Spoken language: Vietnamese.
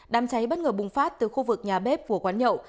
đám cháy bất ngờ bùng phát từ khu vực nhà bếp của quán nhậu